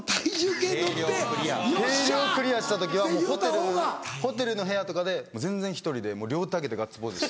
計量クリアした時はホテルの部屋とかでもう全然１人でもう両手上げてガッツポーズして。